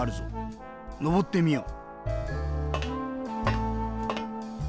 のぼってみよう。